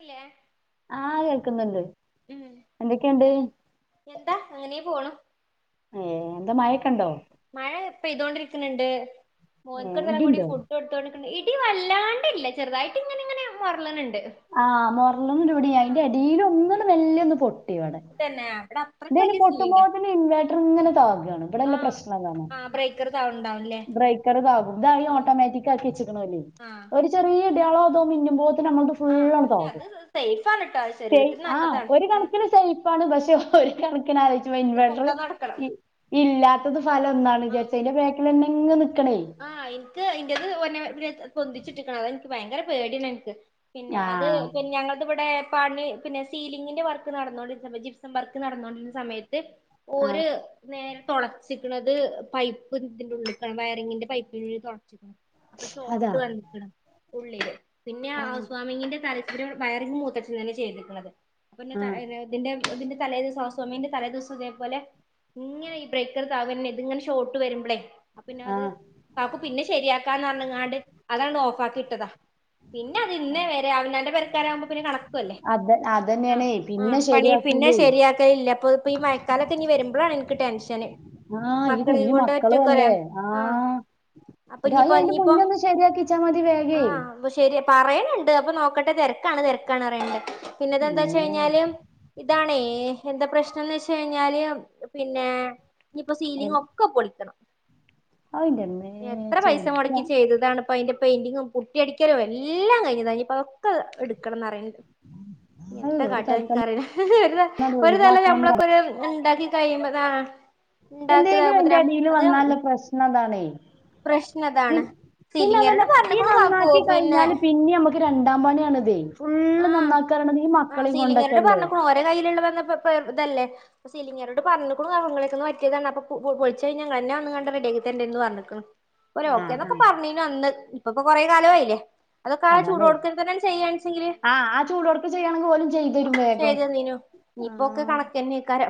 ഇല്ലേ ആഹ് കേൾക്കുന്നുണ്ട് എന്തൊക്കെയുണ്ട് എന്താ അങ്ങനെ പോണു ഏ എന്താ മഴ യൊക്കെയുണ്ടോ? മഴ പെയ്തോണ്ടിരിക്കനിണ്ട് ഏ മോൻക്ക് അന്നേരം കൂടി ഇടിണ്ടോ ഫുഡ് കൊടുത്തോണ്ട് ഇടി വല്ലാണ്ടില്ല ചെറുതായിട്ട് ഇങ്ങനെ ഇങ്ങനെ മൊരളനുണ്ട് ആഹ് മൊരളനിണ്ട് ഇവിടെയും അയിന്റെ അടിയിലോ വല്യൊന്ന് പൊ ഇവിടെ തന്നെ ഇവിടെ അത്രക്ക് അയിന് വലിയ പൊട്ടുമ്പോ സീനില്ല തന്നെ ഇൻവേർട്ടർ ഇങ്ങനെ താകുകയാണ് ഇവിടെല്ല ആഹ് പ്രശ്നം അതാണ് ആഹ് ബ്രേക്കർ സൗണ്ടാവുംല്ലേ ബ്രേക്കർ താകും ഇതാണെങ്കിൽ ആഹ് ഓട്ടോമാറ്റിക് ആക്കി വെച്ചക്കണല്ലേ ആഹ് ഒരു ചെറിയ കുട്ടികൾ അതോ മിന്നുമ്പോ ത്തിനും അങ്ങ- ആഹ് പക്ഷെ അത് സേഫാണ് ട്ടോ ശരീരത്തിന് ആ നല്ലതാണ് ഒരു ആഹ് കണക്കിന് സേഫ് ആണ് പക്ഷെ ആഹ് ഒരു കണക്കിന് ആലോചിക്കുമ്പോൾ ഇത് ഇൻവേട്ടർ പൊക്കാൻ നടക്കണം ഇല്ലാത്തത് ഫലം എന്താണ് വിചാരിച്ച അയിന്റെ ബേക്കിലന്നെ- എങ്ങനെ- ആഹ എനിക്ക് -എന്റത് ഓനെ പൊന്തിച്ചിട്ടകണം അതെനിക്ക് ഭയങ്കര പേടിയാണ് എനിക്ക് പിന്നെ അത് ആഹ് പി ഞങ്ങളുടെ ഇവിടെ പണി പിന്നെ സീലിങ്ങിന്റെ വർക്ക് നടന്നുകോണ്ടിരിക്കുന്ന സമയത്ത് ജിപ്സം വർക്ക് നടന്നോണ്ടിരുന്ന സമയത്ത് ഇപ്പൊ ആഹ് ഒരു നേര- തൊളച്ചക്കണത് പൈപ്പ് ഇതിൻടെ ഉഉള്ളിൽട്ടാണ് വയറിങ്ങിന്റെ- പൈപ്പ്- അപ്പോ അതാ ഷോർട് വന്നിക്കണ് ഉള്ളില് പിന്നെ ആഹ് ഹൗസ് വാർമിങിന്റെ തലേ- ഒരു വയറിങ് മൂത്തച്ചൻ തന്നെയാ ചെയ്തിട്ടുള്ളത് അപ്പൊ പിന്നെ ആഹ് തലേന്ന് ഇതിന്റെ ഇതിന്റെ- തലെന്നു ഹൗസ് വാമിങ്ങിന്റെ തലേ ദിവസം ഇതേപോലെ ഇങ്ങനെ ഇ ബ്രേക്കർ താന്നന്നെ ഇതിങ്ങനെ ഷോർട്ട് വരുമ്പോളേ- അപ്പൊപിന്നെ ആ അത് - കാക്കും പിന്നെ ശരിയാക്കാന്ന് പറഞ്ഞാങ്ങാണ്ട് അതാണ്ടങ് ഓഫ് ആക്കി ഇട്ടതാ പിന്നെ അത് ഇന്നെ വരെ അവനവന്റെ പെരക്കാരാവുമ്പോ പിന്നെ കണക്കോല്ലേ അത് അതന്നെയാണേ പിന്നെ പണി പിന്നെ ശരിയാക്കൂലേ ശരിയാക്കലില്ല അപ്പൊ ഇതിപ്പോ ഇ മഴക്കാലൊക്കെ ഇനി വരുമ്പോ- അപ്പോഴാണ് എനിക്ക് ടെൻഷന്. ആഹ് ഈ മക്കളെയും കുഞ്ഞു കൊണ്ട് മക്കളും ഒറ്റക്കൊരെ അല്ലേ ആഹ് അപ്പൊ രാജു ഇനിയിപ്പോ അയ്‌ന്റെ ഇനിയിപ്പോ മുന്നൊന്ന് ശരിയാക്കിച്ചാൽ മതി വേഗേ പറയനണ്ട് അപ്പൊ നോക്കട്ടെ തിരക്കാണ് തിരക്കാണ് റിയണ്ട്. പിന്നെതന്താ അമ്മേ വെച്ച കഴിഞ്ഞാല് ഇതാണേ എന്താ പ്രശ്നംന്ന് വെച്ച കഴിഞ്ഞാല് പിന്നെ ഇനിപ്പൊ സീലിങ്ങ അയ്- ക്കെ പൊളിക്കണം. അതിന്റെ അമ്മേ എത്ര പൈസ ചെജ്ജ മുടക്കി ചെയ്തതാണ് അപ്പ അയിന്റെ പെയിന്റിങ്ങും പുട്ടി അടിക്കലും എല്ലാം കഴിഞ്ഞ് കഴിഞ്ഞപ്പോൾ അതക്ക എടുക്കണം ന്നറി അത് എന്താ ഒരു കാട്ട തൽക്കാലം എനിക്കറില അത് ഒരു തല ഒഴിവാക്കണം എന്ന് പറഞ്ഞു നമ്മളൊക്കെരു ഉണ്ടാക്കി കഴിയുമ്പോത എന്തെങ്കിലും ന്റെ അടിയിൽ വന്നാല്ലോ പ്രശ്നം താണ് പ്രശ്നം പി അതാണ് പിന്നെ അതല്ല സീലിങ്ങാരോട് ഈ പറഞ്ഞിക്കണു കാക്കു നന്നാക്കി പിന്നെ കഴിഞ്ഞാല് പിന്നെ നമ്മുക്ക് രണ്ടാം പണിയാാണ് ഇതേ ഫുള്ള് ആഹ് നന്നാക്കാറണത് ഈ ആഹ് മക്കളെ സീലിങ്ങരോട് കൊണ്ടൊക്കല്ലേ. സീലിംഗ്ങ്ങരോട് പറഞ്ഞിക്ണ് പറ്റിയതാണ് അപ്പൊളിച്ച കിഞ്ഞഞ ങ്ങളെന്നെ വന്ന് റെഡി ആക്കിത്തര ന്ന് പറഞ്ഞിക്കണ് ഒൽ ആ ഓക്കേ ആ എന്നൊക്കെ പറഞ്ഞീനു അന്ന് ഇപ്പ ഇപ്പൊ കൊറെ കാലയില്ലേ അതൊക്കെ ആ അതാണേ ചൂട്ടോട്ക്ക തന്നെയാണ് ചെയ്യാണച്ചെങ്കില് ആ ആ ചൂടോടൊക്കെ ചെയ്യണമെങ്കിൽ പോലും ചെയ്തു തരും വേഗം ചെയ്തന്നീനു ഇനീയിപ്പൊക്കെ ആ കണക്കന്നെക്കാര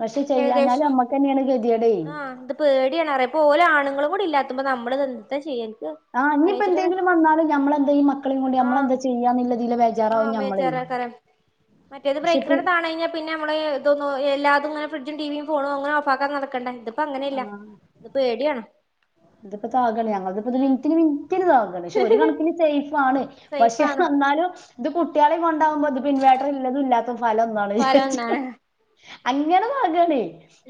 പക്ഷെ ചെയ്യാഞ്ഞാൽ മ്മക്ക് ന്നെയാണ് കതേഡ് പോലെ ആണുങ്ങൾ കൂടി ഇല്ലാത്ത്പോ നമ്മൾത് എന്താ ചെയ് ആ ഇനിയിപ്പോ എന്തെങ്കിലും വന്നാലും ഞമ്മളെ എന്ത മക്കളും കൊണ്ട് ആഹ് നമ്മളെന്താ ചെയ്യാന്നുള്ളതില ബേജാറാവും ആഹ് ഞമ്മള ബേജാറേക്കാരം പക്ഷെ പ്പ തോന്ന എല്ലാ തുങ്ങന ഫ്രഡ്ജും ടിവി യും ഫോണും അങനെ ഓഫാക്കൻ നടക്കണ്ടേ തിപ്പോ ആ അങ്ങനെല്ല ഇതിപ്പോ താകാണ് ഞങ്ങക്കിതിപ്പോ ഇത് ഉം മിനിറ്റിന് മിനിറ്റിന് താകാണ് പക്ഷെ ഒരു കണക്കിന് സേഫ് ആണ്, പക്ഷെഅത് സേഫാണ് എന്നാലും ഇത് കുട്ട്യാളീം കൊൺ ഉണ്ടകുമ്പോ അത് ഇൻവെർട്ടർ ഇള്ളതും ഇല്ലാത്തത്തും ഫലം ഒന്നാണ് ഫലം വിചാരിച്ചു എന്താണ് അങ്ങനെ നോക്കുവാണേ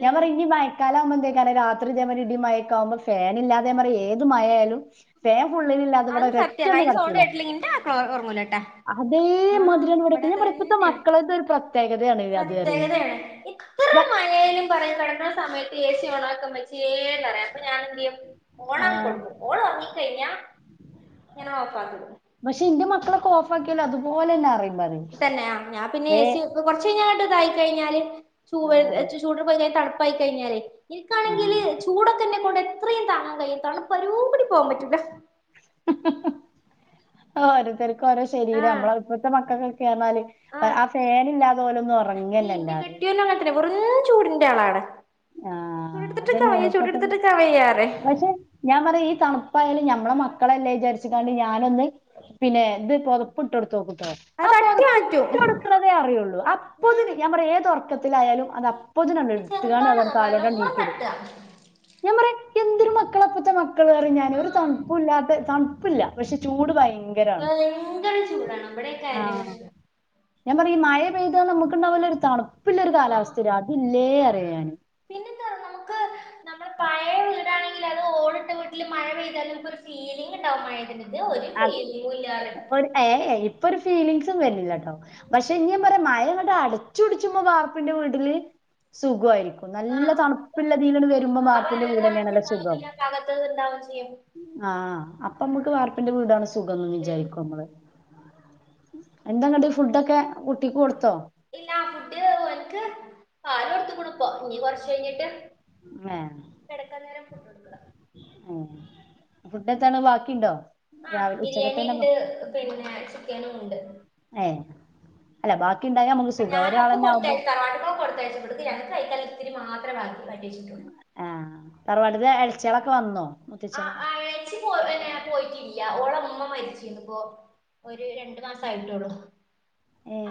ഞാൻ ഉം പറയും ഇനി - ക്കാലാകുമേക്കെ രാത്രി ഇതേ മാതിരി ഇടി മയക്കാവുമ്പോ ഫാൻ ഇല്ലാതേ പറ ഏത് മഴായാലും- അത് സത്യല്ല അതിന് സോണ്ട് കെടക്കൂല കേട്ടില്ലെങ്കി എന്റെ വാപ്പ ഉറങ്ങൂല ട്ടോ ആ അതേമാതിരിയാണ് ഇവിടെയൊക്കെ ഇവിടെ ഞാൻ പറയും ഇപ്പത്തെ തന്നെയ മക്കളത് ഒരു പ്രത്യേകതയാണ് അത് പറയും പ്രത്യേകതയാണ് ഇത്ര ബ- മഴയായാലും പറയും കെട [unintelligible] സമയത്ത് എ സി ഓണക്കൂ അമ്മച്ചിയേന്നു പറയും അപ്പൊ ഞാൻ എന്ത്‌ ചെയ്യും ഫോൺ ആ, അങ്ങ് കൊടുക്കും ഓണാക്കി കഴിഞ്ഞ ഞാൻ ഓഫ്‌ ആക്കിടും ഓഫ്‌ ആക്കിയാലും അതുപോലെ തന്നെ അറിയും പറയും തന്നെ ആ ഞാൻ പിന്നെ വേ ഏ സി വെക്കും കുറച്ച് കഴിഞ്ഞ് അങ്ങട്ട് ഇതായി കഴിഞ്ഞാല്- ആ, ചൂവേ ചൂട് പോയെ തണുപ്പ പായി കയ്ഞ്ഞാലേ ആ. ഇൻക്കാണെങ്കില് ചൂടക്കെ ഇന്നെ കൊണ്ട് ഇത്രയും താങ്ങൻ കഴിയാത്താണ് തണുപ്പ് അരൂ കൂടി പോകാൻ പറ്റൂല ഓരോത്തര് ഓരോ ശരീരം ആഹ് നമ്മളെ ഇപ്പത്തെ മക്കൾക്ക്- കെടന്നാല് ആഹ് ആ ഫേൻ ഇല്ലാതെ ഓലൊന്നും ഉറങ്ങനനില്ല അല്ലാതെ ന്റെ ആളാണ്. ആഹ് ചൂടെടുത്തിട്ട്ക്കാ അതന്നെയാണ് വയ്യ ഇപ്പത്തെ ചൂടെടുത്തിട്ട്ക്കാ വയ്യ പറയും പക്ഷെ ഞാൻ പറയാ ഈ തണു പ്പായാലും ഞമ്മളെ മക്കളല്ലേ വിചാരിച്ച് കാണ്ട് ഞാനൊന്ന് പിന്നെ ഇത് പൊതപ്പ്ട്ടോട്ത്തോക്കും. ആഹ് അത് ആ തട്ടി പൊതപ്പ് ഇട്ടൊട്ക്ക് മാറ്റും ണതേ അറിയുള്ളൂ. അപ്പോത്തിന് നാം പറിം ഏത് ഒർക്ക ത്തിലായാലും അത് പ്പോത്തിനാണ്ട് ഇന്റെ ചെറുതാണ് താണ്ട് കാലോണ്ടാണ്ട് നല്ലോണം നീക്കിടും. തട്ടാ ഞാൻ പറിം എന്തൊരു മക്കള പ്പത്തെ മക്കള് റിം ഞാന്. ഒരു ആഹ് തൺ പ്പുംല്ലാത്ത തണ്പ്പ്ല്ല പക്ഷെ ചൂട് ഭയ ഭയങ്കര ചൂടാണ് ഇബടെയെക്കെ അതന്നെ ആഹ് പ്രശ്നം. ഞാൻ പറിം മഴ പെയ്താ നമുക്ക് ണ്ടാവല്ലോ ഒര് തണുപ്പ്ള്ളരു ആഹ് കാലാവസ്ഥരാ അതില്ലേ അറിം ഞാൻ. ന് പിന്നെന്താ നമുക്ക് നമ്മൾ പഴയ വീടാണെങ്കിൽ അത് ഇങ്ങണ്ടാവോ മഴത്ത് ഇതൊരു ഞാന് ഫീലിങ്ങുംല്ലാ റിം. ഒരു ഏ ഏ ഇപ്പൊ ഒരു ഫീലിംഗ്സും വരണില്ലാട്ടോ. പക്ഷെ ഇന്ന് ഞാൻ പറയാ മഴ ഇങ്ങട്ട് അടച്ചുടിച്ചുമ്പോ വാർപ്പിന്റെ വീട്ടില് സുഖായിരിക്കും. ആ നല്ല തണുപ്പുള്ളതീലണ്ട് വരുമ്പോ വാർപ്പിന്റെ വീട് തന്നെയാണല്ല [unintelligible] ഇണ്ടാവും ചെയ്യും ആഹ് അപ്പൊ നമുക്ക് വാർ പ്പിന്റെവീടാണ് സുഖംന്ന് ഉം വിചാരിക്കും നമ്മള്. എന്താന്നട്ട് ഫുഡ്ഡൊക്കെ കുട്ടിക്ക് ഫുഡ് കൊടുത്തോ? ഇല്ല ഫുഡ് പ്പം ഇനി കുറച്ച് കഴിഞ്ഞിട്ട് ഏഹ് കിടക്കാ നേരം ഫുഡ് കൊടുക്കണം. ഏഹ് ഫുഡ് എന്താണ് ബാക്കിയിണ്ടോ? ആഹ് ബിരിയാണി ഇണ്ട്. പിന്നേ ചിക്കനും ഇണ്ട്. ഏഹ് അല്ല ബാ ആ ഞാനൊ ഒക്കെ കൊടുത്തയച്ച് തറവാട്ട് കൊക്കെകൊടുത്തയച്ച് ഇവട്ക്ക് ഞങ്ങക്ക് കയിക്കാ ള്ളത് മാത്രേ [unintelligible] ആഹ് തറവാട്ട്ത്ത ചെളക്ക വന്നു ആ മുത്തച്ചള ആഹ് ഓളെ ഉമ്മ മരിച്ചീന്ന്പ്പോ ഒരു രണ്ടു മാസായിട്ടൊളൂ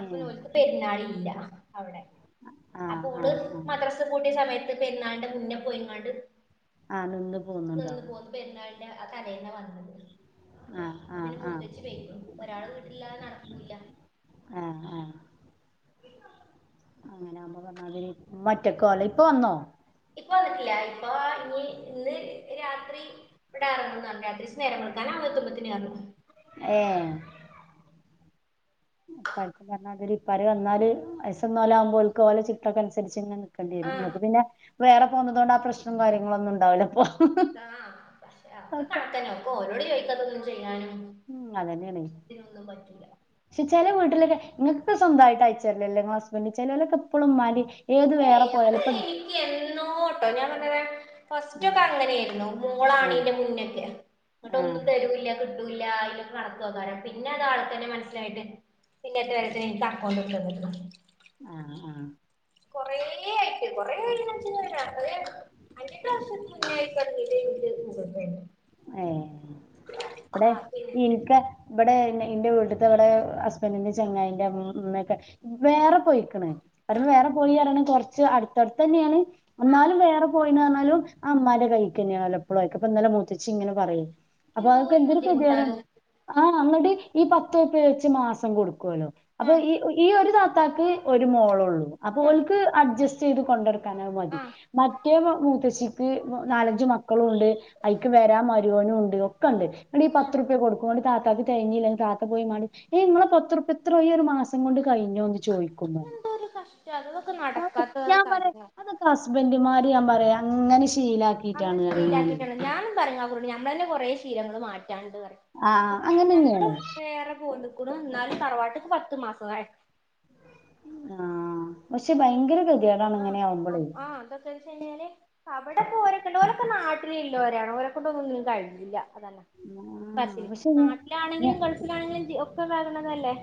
അപ്പൊ ഓൽക്ക് പെരുന്നാളില്ല അവിടെ ആഹ് അപ്പോ ഓള് ആഹ് ആഹ് മദ്രസ പൂട്ടിയ സമയ പെരുന്നാളിൻ്റെ മുന്നെ പോയിങ്ങാണ്ട് ആ നിന്ന് നിന്ന് പോന്നുണ്ടാവും പോന്ന് പെരുന്നാളിന്റെ ആ തലേന്നാ വന്നത് ആ അപ്പൊ ആ പിന്നെ ആ മൂത്തേച്ചി വേരും ഒരാള് വീട്ടില്ലാതെ നടക്കൂല്ല ആ അങ്ങനൊവുമ്പന്നാതിന് മറ്റക്ക അല്ല ഇപ്പ വന്നോ ഇപ്പ വന്നിട്ടില്ല ഇപ്പ ഇനി ഇന്ന് രാത്രി ഇവിടെ ഇറങ്ങന്ന് രാത്രി സ്കാരം കൊടുക്കാനാവുമ്പത്തിന് എറങ്ങും ഏ [unintelligible] പറഞ്ഞമാതിരി ഇപ്പര് വന്നാല് വയസ്ള്ളോലാകുമ്പോൽക്ക് ഓലെ ചിട്ടൊക്കെ അനുസരിച്ച് ക്കണ്ടിരു ആ ങ്ങക്ക് പിന്നെ വേറെ പോന്നതോണ്ട് ആ പ്രശ്നം കാര്യങ്ങളൊന്നും ഉണ്ടാവില്ല പ്പൊ ആഹ് പക്ഷെ അതൊക്കെ കണക്കന്നെ ഒക്കെ ഓനോട് ചോ ക്കതൊന്നും ചെയ്യാനും ഉം അതന്നെയാണ് ഇതിനൊന്നും പറ്റൂല ക്ഷെ ചെല വീട്ടിലൊക്കെ ങ്ങക്ക് സ്വന്തായിട്ട് അയച്ചരലല്ലേ ങ്ങള ഹസ്ബൻഡ് ചേലോലൊക്കെ പ്പളും മ്മാൻ്റി ഏത് വേറെ പോയാല് പ ട്ടോ ഞാനങ്ങനെ ഫസ്റ്റൊക്കെ അങ്ങനെ ആയിരുന്നു മോളാണീന്റെ മുന്നൊയൊക്കെ ആ ന്നട്ടൊന്നും തെരൂല്ല ല്ല അയ്ല് കണക്കു നോക്കാര പിന്നെ അതാളെ തന്നെ മനസ്സിലായിട്ട് പിന്നത്തെ വരത്തിന് നിക്ക് [unintelligible] ല്ല പറഞ്ഞോ ആ ആ കൊറേ ആയിട്ട് കൊറേ ആയി അഞ്ച് [unintelligible] അഞ്ചെട്ട് വർഷം മുന്നെയായിട്ട് [unintelligible] ഏ വിടെ പിന്നെ ഇനക്ക് ഇബടെ ന്റെ വീട്ടത്തെ ഇവിടെ ഹസ്ബൻഡിന്റെ ചങ്ങായിന്റെ മ്മയൊക്കെ വേറെ പോയിക്കണ് ആ പറുമ്പോ വേറെ പോയിരണം കുറച്ച് അടുത്തടുതന്നെയാണ് ആ എന്നാലും വേറെ പോല [unintelligible] ആ അമ്മാന്റെ കഴിക്കെയലപ്പഴായിക്ക ഉത്ച്ചി ഇങ്ങനെ പറയേ അപ്പൊ എന്തോ അക്കെ ഒരു എന്ത് ബുദ്ധിമുട്ടാ കേതിയട അത് ആഹ അങ്ങുടെ ഈ പത്ത്പ്പ വച്ച് മാസം കൊടുക്കും [unintelligible] ആ അപ്പൊ ഈ ഈ ഒരു ത്താക്ക് ഒരു മോള ഉള്ളൂ അപ്പൊ ആ ഓല്ക് അഡ്ജസ്റ്റ് ചെയ്ത് കൊണ്ടർ [unintelligible] മതി ആ ആ മ [unintelligible] മൂത്തശ്ശിക്ക് നാലഞ്ചു മക്കളുംണ്ട് അഐക്ക് വരാ മരുവോന ഉണ്ട് ഒക്കെ ഉണ്ട് അയ്നീ പത്രുപ്യ കൊടുക്കുംണ താത്താക്ക് തിഞ്ഞില്ലെ താത്ത പോയി മാടി. ഏ നിങ്ങളെ പത്രുപ്പിയാ ഇത്ര വലിയ ഒരു മാസം കൊണ്ട് കഴിഞ്ഞോന്ന്. ചോയിക്കുമ്മാ ചതവൊക്കെ നടക്കാത്തെ കാര്യങ്ങളാ വെല്ലിമ്മാര് ഞാൻ പറയാ അങ്ങനെ ഇഷ് അങ്ങനെ ശീലാക്കിക്കണ്ട. ഞാനും പറഞ്ഞു ഔ കൊണ്ട് ഞമ്മളെന്നെ കൊറേ ഷീ ശീലങ്ങൾ മാറ്റി രണ്ട് പറയ് ആ ഇപ്പള് ‌ ഞങ്ങള് അങ്ങനെന്നെയാണ് വേറെ പോന്ന് എന്നാലും തറവാട്ട്ക്ക് പത്ത് മാസം ആയെ ആ പക്ഷെ ഭയങ്കര ഗതികേടാണ് ആ ഇങ്ങനെ ആവുമ്പളേ ആ അതൊക്കെ ഷെയിഞ്ഞാല് അവിടെ പോരൊക്കണ്ട്. ഓലൊക്കെ നാട്ടിലുള്ളോരാണ്. ഓരൊക്കൊണ്ട് ഒന്നും ഒന്നിനും കഴിഞ്ഞീല്ല. അതല്ല ആഹ് പറച്ചിൽ പക്ഷെ ഞ ഞ നാട്ടിലാണെങ്കിലും ഗൾഫിലാണെങ്കിലും ഒക്കെ വരണതല്ലേ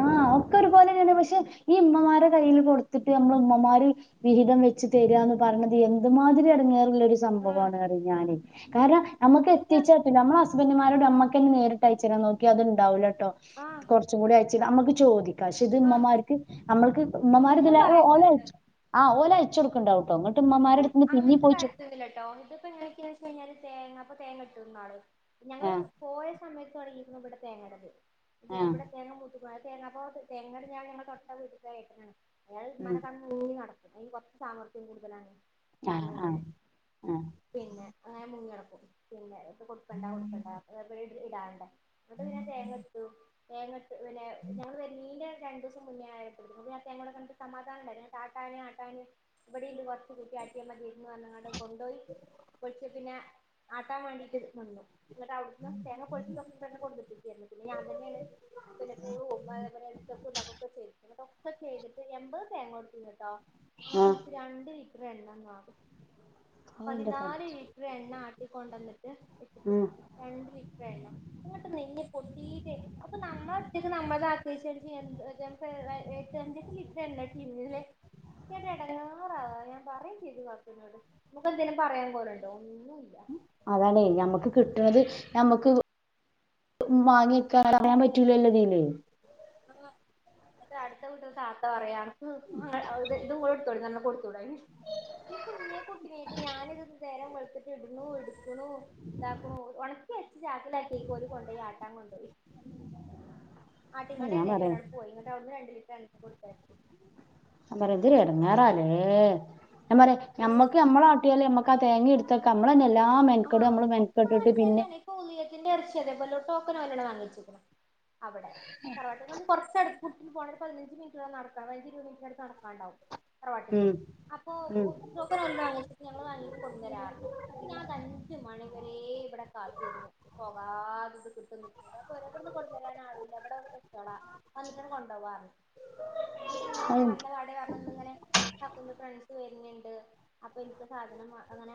ആ ഒക്കെ ഒരുപോലെ തന്നെയാണ്. പക്ഷെ ഈ ഉമ്മമാരെ കയ്യില് കൊടുത്തിട്ട് നമ്മൾ ഉമ്മമാര് വിഹിതം വെച്ചു തെര്ആന്ന് പർണത് എന്ത്മാതിരി എടങ്ങേറ് ടുള്ള ഒരു ആഹ് സംഭവാണ് പറയും ഞാൻ. കാരണം നമുക്ക് ഇത് എത്തിച്ച നമ്മളെ ഹസ്ബന്റ്മാ അവരോട് നമ്മക്കന്നെ നേരിട്ടയച്ചരാൻ നോക്കിയാ അതുണ്ടാവൂല ട്ടോ. ആഹ് കുറച്ചും കൂടി ആയി ച്ച് നമുക്ക് ചോദി പക്ഷേ ഇത് ആഹ് ഇമ്മമാര്ക്ക് നമ്മൾക്ക് ഉമ്മമാര് ഒന്നും ഇതിലെ പറയാൻ ഓലയച്ചു ആ ഓലയച്ച ച്ചു കൊടുക്ക്ണ്ടാവും. ഇപ്പൊ അങ്ങനത്തെ കാര്യത്തിനല്ല ട്ടോ ഇതിപ്പോ എങ്ങനൊയൊക്കെയാന്ന് വെച്ച് കഴിഞ്ഞാല് തേങ്ങപ്പ തേങ്ങ ഇട്ടിരുന്നാള് ഞങ്ങള് ആഹ് പോയ സമയത്ത് തൊടങ്ങി ഇവിടെ തേങ്ങേടത്. ആഹ് ഇവിടെ തേങ്ങ മൂട്ടി [unintelligible] തേങ്ങാപോത്ത് തേങ്ങേടെ ഞങ്ങള് തൊട്ട വീട്ട്ക്കാണ് ഏട്ടനാണ്. അയാൾ ഉം ഉമ്മാനെ കാണു മുങ്ങി നട അയ്ന് കൊറച്ച് സാമർത്യം കൂടു തലാണ്. ആഹ് ആഹ് ന്നറന്നങ്ങാണ്ട് ആഹ് പിന്നെ അങ്ങനെ മുങ്ങിനട പിന്നെ കൊടുക്കണ്ട കൊടുക്കണ്ട [unintelligible] ഇതാണ്ടേ എന്നിട്ട് പിന്നെ തേങ്ങ എടുത്തു തേങ്ങ പിന്നെ ഞങ്ങള് വരണീന്റെ രണ്ട് ദിവസം മുന്നേ ആയപോഴ്തേന് [unintelligible] കൂടെ കണ്ട് സമാധാനഉണ്ടായിരുന്നു താട്ടാന് ആട്ടാന് ഇവിടെ ഇണ്ട് കൊ കിട്ടിയ ആട്ടിയ മതിയ ന്ന് പറഞ്ഞങ്ങാണ്ട് കൊണ്ടുപോയി പക്ഷെ പിന്നെ ആട്ടാൻ വേണ്ടിട്ട് നിന്നു. എന്നിട്ട് അവിടുന്ന് തേങ്ങ പൊളിച്ചു [unintelligible] കൊണ്ടെത്തിക്കയാരുന്നു. പിന്നെ ഞാൻ തന്നെയാണ് പിന്നെ പൂളു അതേപോലെ എടുത്തൊക്ക്‌ ഉണ്ടാക്കുക്കെ ചെയ്തു എന്നിട്ട് ചെയ്തിട്ട് എൺപത് തേങ്ങ കൊടുത്തിണ്ടട്ടോ. ആഹ് [unintelligible] രണ്ടി ഇത്ര എണ്ണം കാണു ഓ ഇന്റെ പതിനാല് പടച്ചോനെ ലിറ്റർ എണ്ണ ആട്ടികൊണ്ടന്നിട്ട് ഇട്ടിട്ട് ഉം രണ്ട് ലിറ്റർ എണ്ണ അങ്ങിട്ട് നെയ്യ പൊട്ടീട്ടേ അപ്പൊ നമ്മള ഒറ്റക്ക് നമ്മളതാ [unintelligible] ക്ക് ഞങ്ങക്ക് എട്ട്ഞ്ച് അഞ്ചെട്ട് ലിറ്റർ എണ്ണ [unintelligible] ഇടങ്ങേർ ആയ പറയും ചെയ്തു കാക്കുന്നോട് നമുക്ക് എന്തേിലും പറയാൻ പോല് ഉണ്ടോ. അതാണെ ഞമ്മക്ക് കിട്ട് ട്ട്ണത് ഞമ്മക്ക് വാങ്ങ്യയ്ക്കാ പറയാൻ പറ്റൂലല്ലോ ഇതീല് ആഹ് അത അട്ത്ത വീട്ട്ത്തെ താത്ത പറയാണ് അനക്ക് ങ് ങ്ങൾ ഇതു കൂടെ എടുത്തോളി ന്ന് പറഞ്ഞു കൊട് ചൂടായി ഈ കുഞ്ഞ്യ കുട്ടിനേറ്റ് ഞാനിത് നേരം വെള് ഇതൊക്ക ഇട്ണൂ എട്ക്കുണൂ ഇതാക്കു‌ണു ഒണക്കെച്ച ചാക്കിലാക്ക്യാേ ഓല് കൊണ്ടോയി ആട്ടാൻ കൊണ്ടോയി അയ് ആട്ടിങ്ങാണ്ട് ഞാൻ എണ്ണേയ്റ്റ് പറയാ ഓലങ് പോയി ഇന്നട്ട് അവ്ട്ന്ന് രണ്ട് ലിറ്റർ എണ്ണ കൊടുത്തയച്ചു എട്ങ്ങാറാലേ ഞാ പറയാ ഞമ്മക്ക് ഞമ്മളാട്ടിയാലേമ്മ ക തേങ്ങിം ഇട്ത്തൊട്ക്കാ അമ്മളന്നെ എല്ലാ മെന്ക്കെടും ആഹ് നമ്മള് ഒക്കെ മെൻക്കെട്ട്ട്ട് പിന്നെ ടോക്കൻ വല്ലോ [unintelligible] വാങ്ങിവച്ചേക്കണം അവിടെ തറവാട്ടി [unintelligible] കൊറച്ചടു കുട്ടി പോണെ ഒരു പതിനഞ്ച് മിനിറ്റ് നടക്കാം പയിനഞ്ച് ഇരുപത് മിനിറ്റിനടുത് നടക്കാനുണ്ടാവും [unintelligible] ഉം അപ്പൊ ഉം [unintelligible] ഞങ്ങള് നല്ലത് കൊണ്ടൊന്നു തരാർന്നു എടി [unintelligible] [unintelligible] മണിവരെ ഇവിടെ കാത്തിരുന്നു പോകാതിത് [unintelligible] അത് എന്തിന ഞാ അയ് നല്ല [unintelligible] അങ്ങനെ അക്കുന്റെ ഫ്രണ്ട്‌സ് വരുന്നിണ്ട് അപ്പൊ [unintelligible] സാധനം വാങ്ങനാ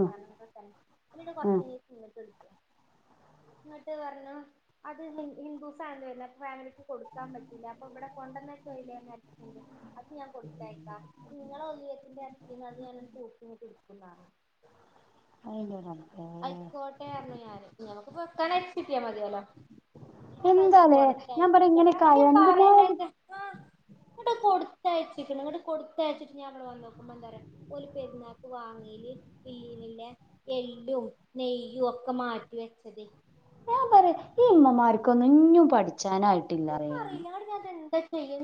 ഉം ഉം എന്നിട്ട്പർഞ്ഞു അത് ഹി ഹിന്ദൂസ് [unintelligible] ഫാമിലിക്ക് കൊടുക്കാൻ പറ്റില്ല അപ്പൊ ഇവിടെ കൊണ്ടന്ന [unintelligible] അത് ഞാൻ കൊടുത്തേക്കാം നിങ്ങള [unintelligible] [unintelligible] [unintelligible] ആയ്ക്കോട്ടെറഞ്ഞു ഞാന് ഞമ്മക്ക് വക്കാന [unintelligible] മതിയല്ലോ അങ്ങോട്ടത് എന്താലേ കൊടത്തെ ഞാൻ പറയാ ചേട്ടാ ഇങ്ങനെയൊക്കെ ആയാ എന്തിനാ അങ്ങോട്ട്ഞാപറയന്നെക് അങ്ങട്ട് കൊടുത്തയച്ചിക്കണ് അങ്ങട്ട് കൊടുത്തയച്ചിട്ട് ഞാനിവിടെ വന്ന് [unintelligible] [unintelligible] നെയ്യുവൊക്കെ മാറ്റിവെച്ചതേ ഞാൻ പറയാ ഈ ഉമ്മമാർക്കൊന്നും ഇഞ്ഞും [unintelligible] വച്ചാനായിട്ടില്ല അറയാന് ഇൻക്കറീല ഇങ്ങട്ട് [unintelligible]